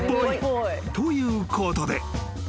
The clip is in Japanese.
［ということで］